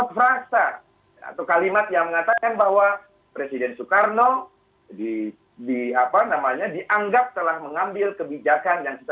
dan yang paling penting tidak pernah berkhianat kepada bangsa dan negara indonesia